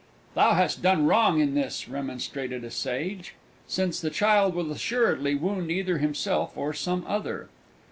"Thou hast done wrong in this," remonstrated a Sage, "since the child will assuredly wound either himself or some other."